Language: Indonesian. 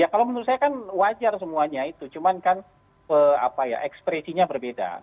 ya kalau menurut saya kan wajar semuanya itu cuman kan ekspresinya berbeda